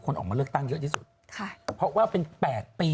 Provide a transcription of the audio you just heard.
คนออกมาเลือกตั้งเยอะที่สุด